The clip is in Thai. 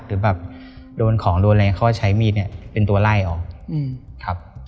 หรือโดนของโดนอะไรเขาใช้มีดเป็นตัวไล่ออก